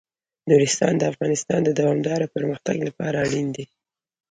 نورستان د افغانستان د دوامداره پرمختګ لپاره اړین دي.